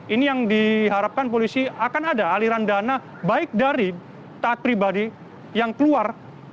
ini yang diharapkan polisi akan ada aliran dana baik dari taat pribadi yang keluar